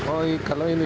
oh kalau ini